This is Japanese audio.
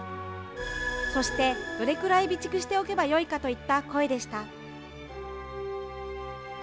そして、どれくらい備蓄しておけばよいかといった声でした。